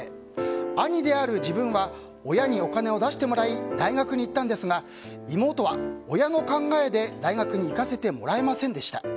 兄である自分は親にお金を出してもらい大学に行ったんですが妹は親の考えで大学に行かせてもらえませんでした。